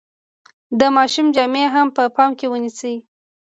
د ماشوم جامې هم په پام کې ونیسئ.